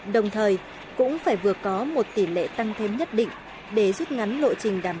đồng thời cũng phải vừa có một tỷ lệ tăng lương